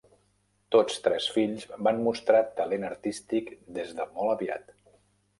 Tots tres fills van mostrar talent artístic des de molt aviat.